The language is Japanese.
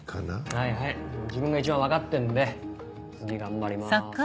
はいはい自分が一番分かってるんで次頑張ります。